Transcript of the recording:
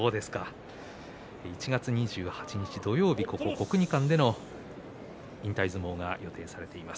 １月２８日、土曜日国技館での引退相撲が予定されています。